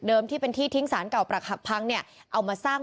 ที่เป็นที่ทิ้งสารเก่าประหักพังเนี่ยเอามาสร้าง